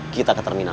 kita ke terminal